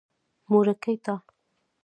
مورکۍ تا.